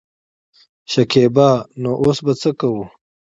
شکيبا : نو اوس به څه کوو.